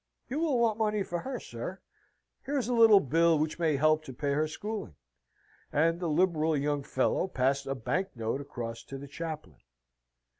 You will want money for her, sir. Here is a little bill which may help to pay her schooling." And the liberal young fellow passed a bank note across to the chaplain.